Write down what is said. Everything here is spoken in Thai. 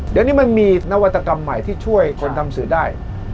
เดี๋ยวนี้มันมีนวัตกรรมใหม่ที่ช่วยคนทำสื่อได้